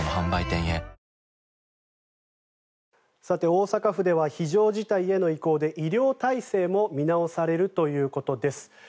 大阪府では非常事態への移行で医療体制も見直されるということです。